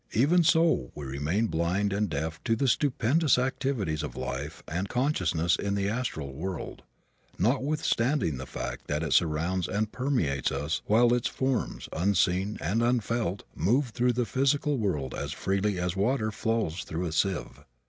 Even so we remain blind and deaf to the stupendous activities of life and consciousness in the astral world, notwithstanding the fact that it surrounds and permeates us while its forms, unseen and unfelt, move through the physical world as freely as water flows through a sieve.